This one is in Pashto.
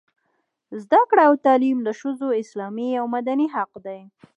زده کړه او تعلیم د ښځو اسلامي او مدني حق دی.